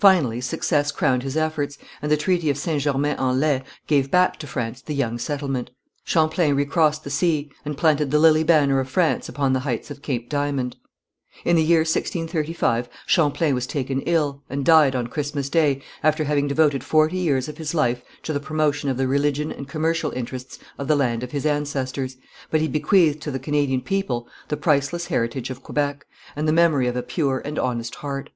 Finally success crowned his efforts, and the treaty of St. Germain en Laye gave back to France the young settlement. Champlain recrossed the sea and planted the lily banner of France upon the heights of Cape Diamond. In the year 1635 Champlain was taken ill, and died on Christmas Day, after having devoted forty years of his life to the promotion of the religion and commercial interests of the land of his ancestors, but he bequeathed to the Canadian people the priceless heritage of Quebec, and the memory of a pure and honest heart.